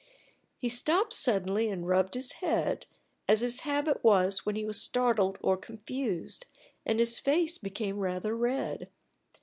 He stopped suddenly and rubbed his head, as his habit was when he was startled or confused, and his face became rather red.